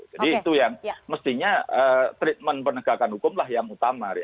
jadi itu yang mestinya treatment penegakan hukum lah yang utama